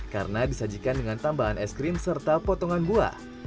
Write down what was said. karena disajikan dengan tambahan es krim serta potongan buah